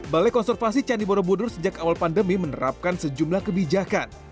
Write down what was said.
balai konservasi candi borobudur sejak awal pandemi menerapkan sejumlah kebijakan